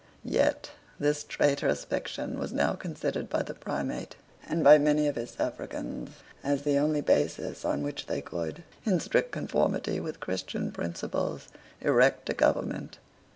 Yet this traitorous fiction was now considered by the Primate and by many of his suffragans as the only basis on which they could, in strict conformity with Christian principles, erect a government.